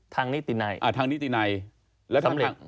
ทางนิตินัย